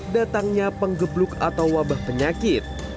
datangnya penggebluk atau wabah penyakit